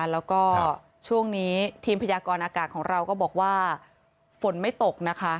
แล้วก็ช่วงนี้ทีมพยากรอากาศของเราก็บอกว่าฝนไม่ตกนะคะ